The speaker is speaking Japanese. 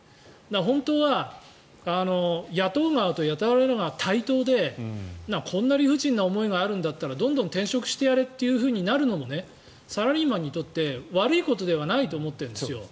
本当は雇う側と雇われる側は対等でこんな理不尽な思いがあるんだったらどんどん転職してやれってなるのがサラリーマンにとって悪いことではないと思っているんですよ。